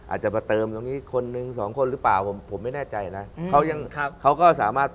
อ่าเมธียะ